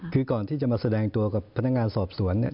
คือก่อนที่จะมาแสดงตัวกับพนักงานสอบสวนเนี่ย